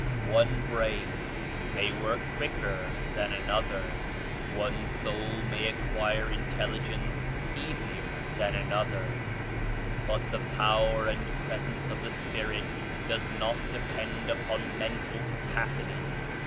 One brain may work quicker than another ; one soul may acquire intelligence easier than another, but the power and presence of the Spirit does not depend upon mental capacity.